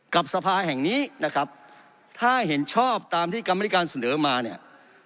กับสภาแห่งนี้นะครับถ้าเห็นชอบตามที่กรรมนิการเสนอมาเนี่ย